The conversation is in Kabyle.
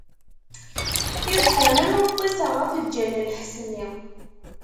Iḍ kamel ur ṭṭiseɣ ɣef lǧal n lḥess-nni.